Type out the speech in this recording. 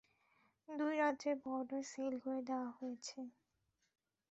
দুই রাজ্যের border seal করে দেয়া হয়েছে।